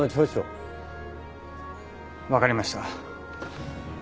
わかりました。